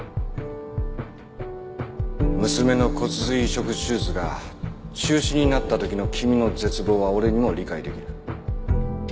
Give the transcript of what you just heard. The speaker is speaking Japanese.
娘の骨髄移植手術が中止になった時の君の絶望は俺にも理解出来る。